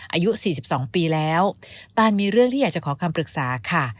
อายุ๔๒ปีแล้วตานมีเรื่องที่อยากจะขอคำปรึกษาค่ะ